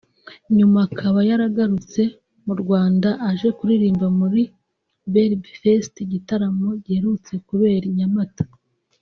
nyuma akaba yaragarutse mu Rwanda aje kuririmba muri Beer Fest igitaramo giherutse kubera i Nyamata